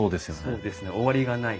そうですね終わりがない。